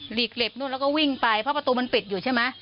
เหล็กเหล็บนู่นแล้วก็วิ่งไปเพราะประตูมันปิดอยู่ใช่ไหม